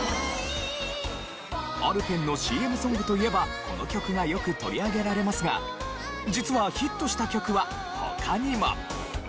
アルペンのＣＭソングといえばこの曲がよく取り上げられますが実はヒットした曲は他にも。